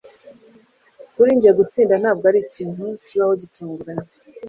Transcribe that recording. Kuri njye, gutsinda ntabwo arikintu kibaho gitunguranye